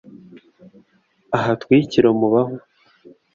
ahatwikire umubavu